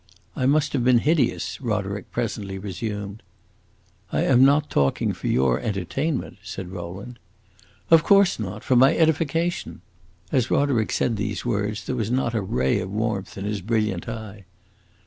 "I must have been hideous," Roderick presently resumed. "I am not talking for your entertainment," said Rowland. "Of course not. For my edification!" As Roderick said these words there was not a ray of warmth in his brilliant eye.